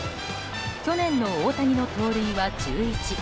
去年の大谷の盗塁は１１。